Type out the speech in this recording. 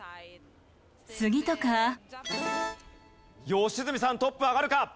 良純さんトップ上がるか？